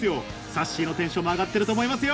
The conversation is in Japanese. さっしーのテンションも上がってると思いますよ！